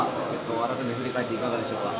改めて振り返っていかがでしょうか。